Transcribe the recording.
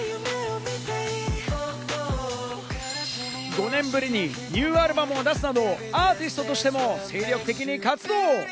５年ぶりにニューアルバムを出すなど、アーティストとしても精力的に活動。